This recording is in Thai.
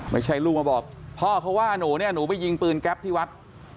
ไม่ใช่ลูกมาบอกพ่อเขาว่าหนูเนี่ยหนูไปยิงปืนแก๊ปที่วัด